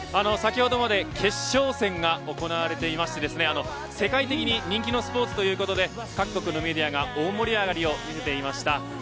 先ほどまで決勝戦が行われていまして世界的に人気のスポーツということで各国のメディアが大盛り上がりを見せていました。